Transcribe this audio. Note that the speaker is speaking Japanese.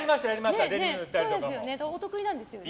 お得意なんですよね？